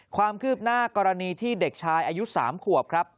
ความคืบหน้ากรณีที่เด็กชายอายุ๓ขวบครับ